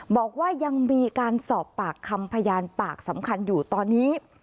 บอกว่ายังมีการสอบปากคำพยานปากสำคัญอยู่ตอนนี้